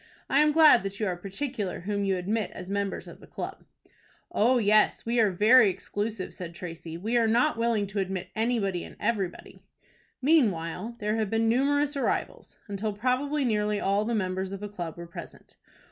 I am glad that you are particular whom you admit as members of the club." "Oh, yes, we are very exclusive," said Tracy. "We are not willing to admit anybody and everybody." Meanwhile there had been numerous arrivals, until probably nearly all the members of the club were present.